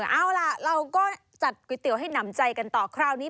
เอาล่ะเราก็จัดก๋วยเตี๋ยวให้หนำใจกันต่อคราวนี้